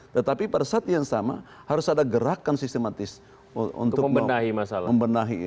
tetapi pada saat yang sama harus ada gerakan sistematis untuk membenahi